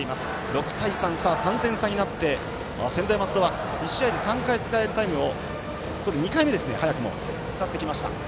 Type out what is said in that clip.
６対３と３点差になって専大松戸は１試合で３回使えるタイムをここで２回目早くも使ってきました。